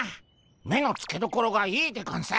目のつけどころがいいでゴンス。